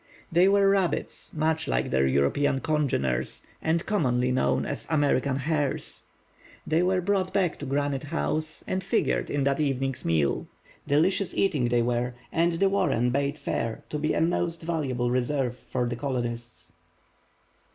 They were rabbits, much like their European congeners, and commonly known as "American hares." They were brought back to Granite Home, and figured in that evening's meal. Delicious eating they were; and the warren bade fair to be a most valuable reserve for the colonists.